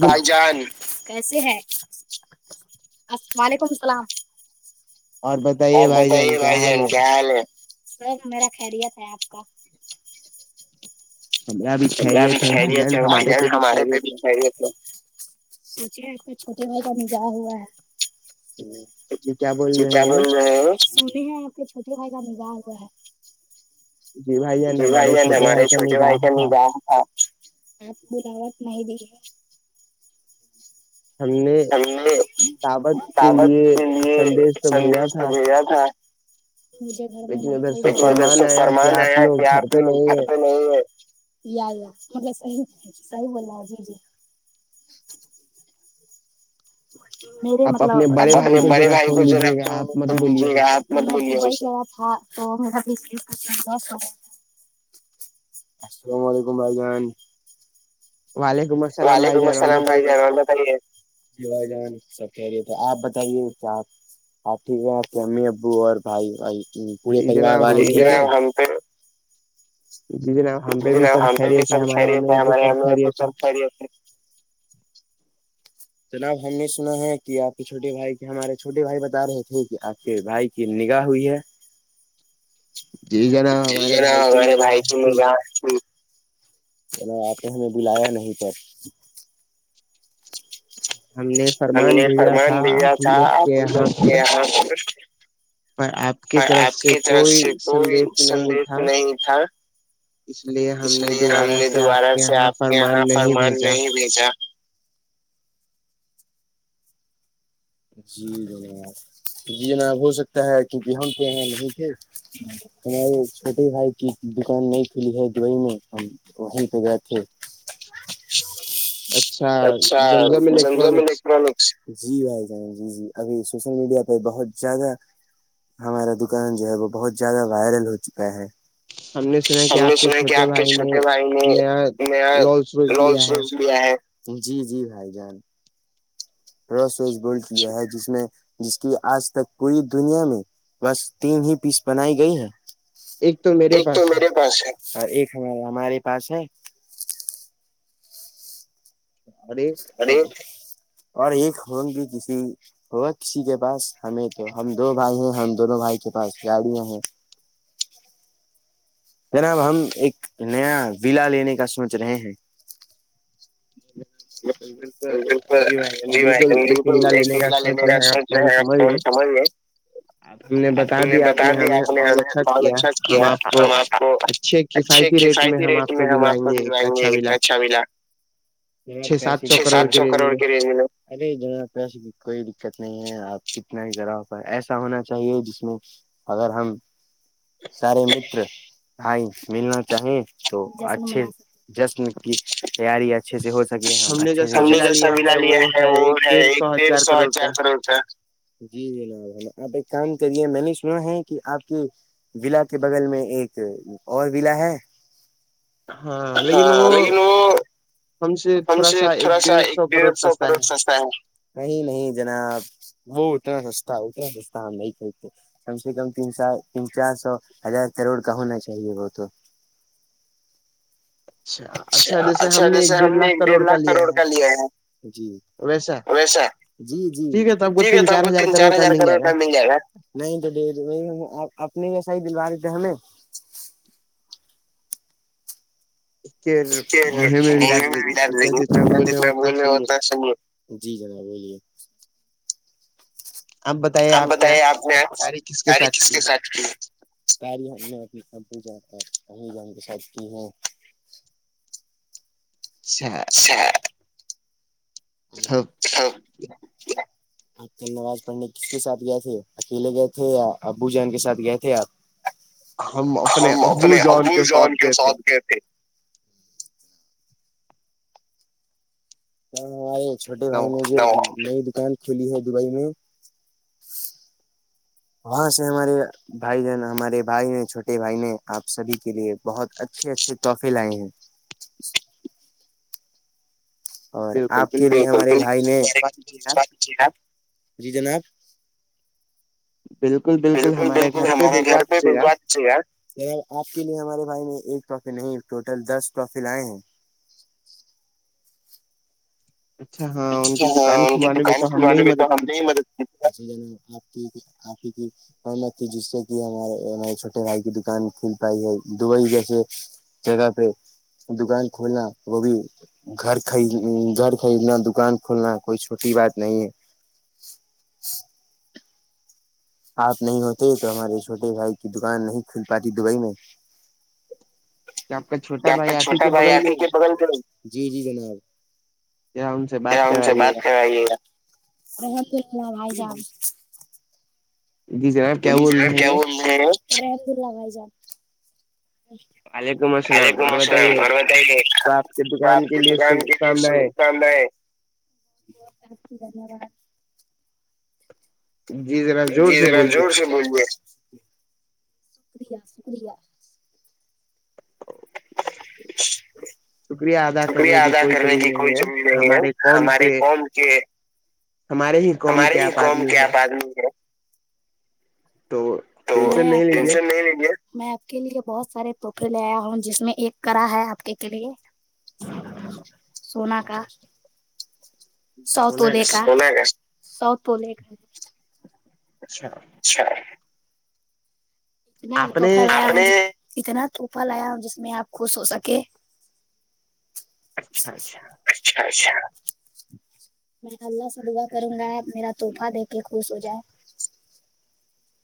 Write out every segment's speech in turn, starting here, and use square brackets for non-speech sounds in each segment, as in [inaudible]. فائجان کیسے ہے وعلیکم اللام آپ بتائیے بھائی جان کیا حال ہے سر میرا خیریت ہے آپ کا ہمہ بھی خیریت ہےان ہمارے پہ بھی خیریت ہے سوچے اس چھوٹے بھائی کا مزاح ہوا ہے جی کیا بول رہے سنی ہے آپ کے چھوٹے بھائی کا نگاہح ہوا ہے جی بھائی ہےین ہمار چھوٹے بھائی کا گات تھا آپ بلاٹ م ہم نے طابت کے لیے سندیش تو بھیجا تھا مجے گھر میں نہیںر سے فرمان آیا کہ آپ لوگ گھر پہ یا یار مطلب صحیح صحیح بول رہے جی جی میرے مطلب آپ اپنے بڑے بھائی کو جوب دیجیے گا آپ تھا تو میرا بھی السلام علیکم بھائی جان والے وعلیکم السلام بھائی جان سب کہہ رہیے تھ آپ بتائیے کیاپ ہاں ٹھیک ہے ابو اور بھائی بائی پورے پریوار والے جی جناب ہم پہ بھی سب کھہرییے تھے ہمارے ہم نے سب کہریے تھے خری اف جناب ہم نے سنا ہے کہ آپ کے چھوٹے بھائی ہمارے چھوٹے بھائی بتا رہے تھے کہ آپ کے بھائی کی نگاہ ہوئی ہے [inaudible] ج ج نا گیرے بھائی ت میں ج نو آپتے ہمیں بلایا نہیں پر ہم نے فرمان بھیجا تھا آپ لست کے یہاں پر پر آپ کی طرف سے کوئی سندیش نہیں تھا اس لیے ہم نے دوبارہ سے آپ کے یہاں فرمان نہیں بھیجا جی جناب جی جناب ہو سکتا ہے کیونکہ ہم تھے ہیں نہیں تھے ہمارے چھوٹے بھائی کی دکان نہیں کھلی ہے دئی میں ہم وہیں پہ گئے تھے اچھا جنگل میں ل لوک جی بھائی جان جی جی ابھی سوشل میڈیا پہ بہت زیادہ ہمارا دکان جو ہے وہ بہت زیادہ وائرل ہو چکا ہے ہم نے سنا کہ آپ کے چھوٹے بھائی نے نیا لس رو ہے جی جی بھائی جان را سز بول کیا ہے جس میں جس کی آج تک پوری دنیا میں بس تین ہی پیس بنائی گئی ہے ایک تو میرے پاس ہے اور ایک ہمارے پاس ہے ار ار اور ایک ہوں گے کسی وہا کسی کے پاس ہمیں تو ہم دو بھائی ہیں ہم دونوں بھائی کے پاس گاڑیاں ہیں جناب ہم ایک نیا ولا لینے کا سوچ رہے ہیں بالکل جی میڈم بالکل ایک ہیلا لینے کا سوچ ہے آپ کون سمانے آپ نے بتا دیا آپ نے ہمیں بہت اچھا کیا ہم آپ کو اچھے کفایتی ریٹ میں ہم آپ کو ملوائیں گے ایک اچھا ملا ج س سات سو کر ارے ج آ س کوئی دقت نہیں ہے آپ کتنا ذرا پر ایسا ہونا چاہیے جس میں اگر ہم سارے متر ہائی ملنا چاہیں تو اچھے جشن کی تیاری اچھے سے ہو ہم نے جیسا ملا لیا ہے وہ ہے ایک ڈڑھ سو چار کروڑ روپیہ جی جناب ہم آپ ایک کام کریے میں نے سنا ہے کہ آپ کی ولا کے بغل میں ایک اور ولا ہے ہاں لیکن وہ ہم سے تھوڑا سا ایک ڈیڑھ سو کروڑ سستا ہے نہیں نہیں جناب وہ اتنا سستا اتنا سستا ہم نہیں کھیلتے کم سے کم تین س تین چار سو ہزار کروڑ کا ہونا چاہیے وہ تو اچھا اچھا جیسے ہم نے ایک ڈیڑھ لاکھ ڈیڑھ لاکھ کروڑ کا لیا ہے جی ہمیشہ جی جی ج ٹھیک ہے تب کو تین چار ہزار کرو کا مل جے گا نہیں تو ڈیی ہم اپنے وسا ہی دلو رہے تھے ہمیں م میں ڈ جتنا بول ہوتنا س جی جناب یہ لیے آپ بتائیے آپ نے تاریخ کس کے ساتھ کی ساری ہم میں اپنے ابو جاتا کہیں جان کے ساتتی ہوں سھ س ہب ا آپ کل نواز پنڈے کس کے ساتھ گئے تھے اکیلے گئے تھے یا ابو جان کے ساتھ گئے تھے آپ ہم اپنے ابو جان کے ساتھ گ ہاں ہمارے چھوٹے بھائی نے جو نئی دکان کھولی ہے دبئی میں ھں وہاں سے ہمارے بھائی جن ہمارے بھائی نے چھوٹے بھائی نے آپ سبھی کے لیے بہت اچھے اچھے تحفے لائے ہیں اور آپ کے بھی ہمارے بھائی نے جی جناب یہ تو بالکل ہمارے گھر سے بات جی یار یار آپ کے لیے ہمارے بھائی نے ایک ٹرافی نہیں ٹوٹل دس ٹرافی لائے ہیں اچھا ہاں ان کی دکان کھلوانے میں تو ہم نے ہی مدد کی ن آپ کی آپیک فمت تھی جس سے کہ ہمارے ہمارے چھوٹے بھائی کی دکان کھل پائی ہے دبئی جیسے جگہ پہ دکان کھولنا وہ بھی گھر خرید گھر خریدنا دکان کھولنا کوئی چھوٹی بات نہیں ہے آپ نہیں ہوتے تو ہمارے چھوٹے بھائی کی دکان نہیں کھل پاتی دبئی میں آ کا چوٹا کیا آپ کا چھوٹا بھائی آتی کے بگل کے جی جی جناب کیا ہم سے بات کرےائی جؤ ج کیا ر ال بھائی جان وعلیکم السلام اور بتائیے آپ کی دکان کے س ند ہے د جی ذرا زور سے بولے شکری شکری ج شکریہ ادا کرنے کی کوئی ضروری نہیں ہے ہمارے قوم کہ ہمارے ہی قوم کے آپ آدمی ہیں تو تو ٹشن نہیں رہ میں آپ کے لیے بہت سارے پپڑے لے آیا ہوں جس میں ایک کرا ہے آپ کے کے لیے سونا کا ھبب سؤت اے کا سؤت کا اچھا اتنا تحفہ لایا اتنا تحفہ لایا ہوں جس میں آپ خوش ہو سکے اچھا اچھا اچھا اچھا میں اللہ سے دعا کروں گا میرا تحفہ دیک کے خوش ہو جائے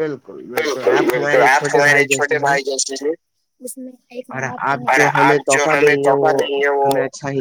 بالکل بالکل آپ ہمارے چھوٹے بھائی جیسے ہیں ج اس میں آپ کو آپ جو ہمیں تفہ دیں گے وہ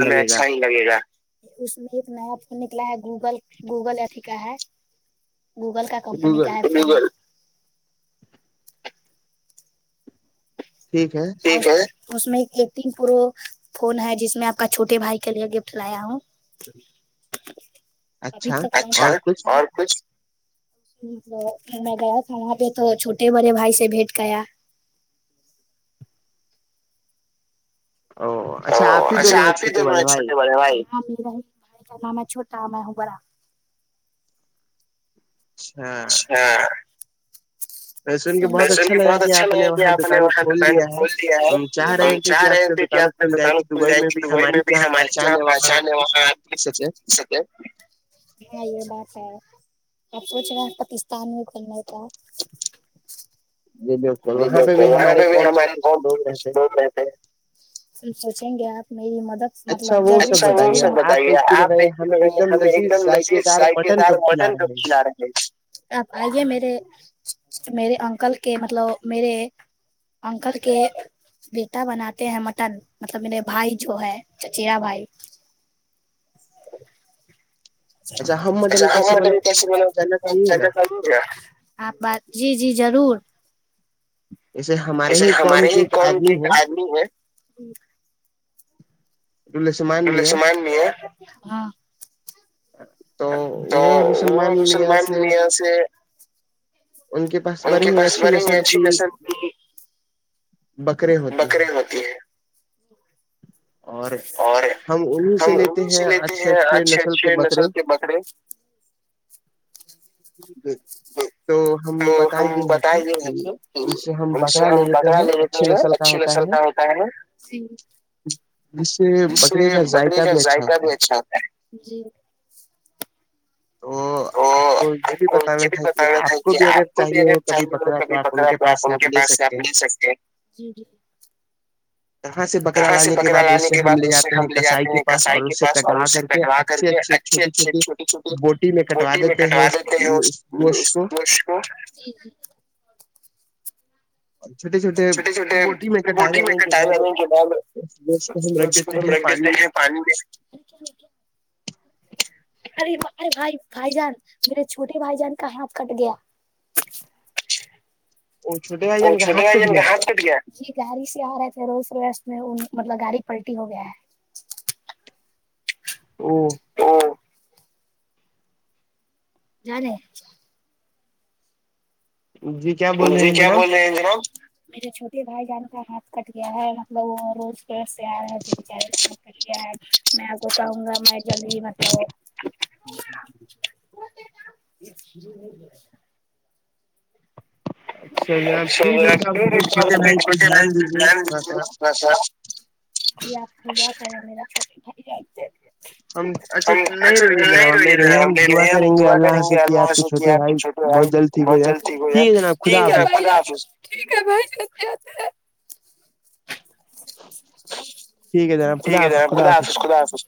ہمیں اچھا ہی لگے گا اس میں ایک نیا فون نکلا ہے گوگل گوگل ایھی کا ہے گوگل کا کمپنی کا ہے ٹھیک ہے اس میں ایک تین پورو فون ہے جس میں آپ کا چھوٹے بھائی کے لیے گفٹ لایا ہوں ابھی اچھا اور پھر میں گیا تھا وہاں پہ تو چھوٹے بڑے بھائی سے بھیٹ گیا او اچھا آپ چھوٹے بڑے بھائی ہاں مھ ن چھوٹا میں ہوں بڑا اچھا ہاں پیسن بھی بہت اچھا لگا کہ آپ نے وہاں سے پین کھول لیا ہے ہم چاہ رہے تھے کہ آپ دکان کھل جائےیں کی وہئی میں بھی ہمارے یہاں پہچان ہے وہاں آ ہ یہ بات ہے آپ سوچ رہے ہیں پاکستان میں کلنے کا جی نہیں جی یہاں پہ بھی ہمارے کون کچھ لگ رہتے ہیں ہم سوچیں گے آپ میری مدد مطلب بتائیے آپ ہمیں ایک دم ن فرائی کیا س اور مٹن چ کنارا ہے آپ آئیے میرے میرے انکل کے مطلب میرے اکل کے بیٹا بناتے ہیں مٹن مطلب میرے بھائی جو ہے چچیرا بھائی [inaudible] ہم کیس کیا کیا آپ بات جی جی ضرور ایسے ہمار جسے ہمارے ہی قوم کے ایک آدمی ہیں جو م سمان م ہے تو وہ مسلمان میاں سے سے ان کے بس بڑ ہی اچھی نسل کی بکرے ہوتی ہیں اور ہم انیں سے لیتے ہیں اچھے اچھے نسل کے بکرے جی تو ہم بتائے گے ان سے ہم بتلاا ل گے اچھی نسل کا ہوتا ہے اس سے بکری کا ذائقہ بھی اچھا ہوتا ہے تو آپ کو یہ بھی بتانا تھا کہ آپ کو بھی اگر چاہیے ہو کبھی بکرا تو آپ ان کے پاس سے آپ لے سکتے ہیں جی جی طراں سے بکرا لانے کے بعد اسے ہم لے جاتے ہیں کسائی کے پاس اور اسے کٹوا کر کے اچھے اچھے چھوٹی چھوٹی بوٹی میں کٹوا دیتے ہیں اج چھوٹے چھوٹے بوٹنگ میں کا ٹائم آنے کے بعد اس کو ہم رکھ دیتے ہیں پان جے [inaudible] ارے بھائی بھائی جان میرے چھوٹے بھائی جان کا ہاتھ کٹ گیا وہ چھوٹے بائی جان کہ ہاتھ کٹ گیا جی گاڑی سے آ رہے تھے روز ریس میں مطلب گاڑی پلٹی ہو گیا ہے او ہ [unintelligible] جانے [unintelligible] ی کیا بول رہے ہیں جناب [unintelligible] میرے چھوٹے بھائی جان کر ہاتھ کٹ گیا ہے مطلب وہ روز ر سے آ رہا ہے تھے بچارے سے میں آ کو کہوں گا میں جلدی متلب جی السلام علیکم ج آپ کی بہت خیران میں رکھ [unintelligible] ہم اچھا رہی رہی ہم دعا کریں گے اللہ سے کہ آپ کی چھ [unintelligible] آئی ب جلتی گئی ہے [unintelligible] تین ہ پندرہ ٹھیک ہے بھائی [unintelligible] ٹھیک ہے جناب خدا حافظ خدا حافظ